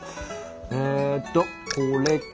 えとこれか！